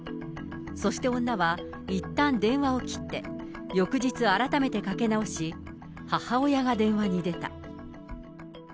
そして女はいったん電話を切って、翌日改めてかけ直し、母親が電話に出た。